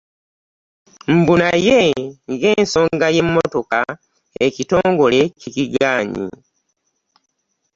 Mbu naye ng'ensonga y'emmotoka ekitongole kigimanyi.